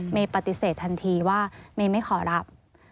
ปฏิเสธทันทีว่าเมย์ไม่ขอรับ